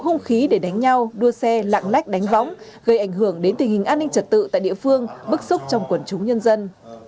hung khí để đánh nhau đua xe lạng lách đánh võng gây ảnh hưởng đến tình hình an ninh trật tự tại địa phương bức xúc trong quần chúng nhân dân